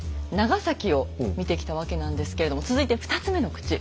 長崎を見てきたわけなんですけれども続いて２つ目の口